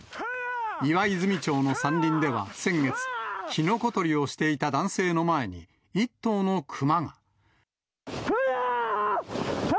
岩泉町の山林では先月、キノコ採りをしていた男性の前に、１頭のクマが。